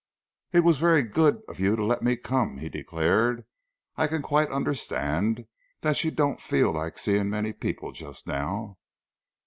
"It was very good of you to let me come," he declared. "I can quite understand that you don't feel like seeing many people just now."